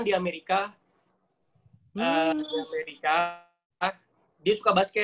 di amerika dia suka basket